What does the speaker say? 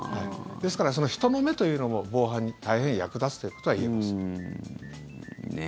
ですから、その人の目というのも防犯に大変役立つということは言えます。